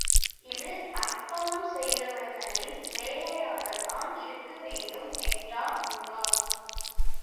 இது அர்ப்பணம் செய்தவர்களின் வேலையாகத்தான் இருக்கவேண்டும் என்றான் உமார்.